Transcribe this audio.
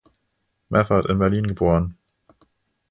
Meffert, in Berlin geboren.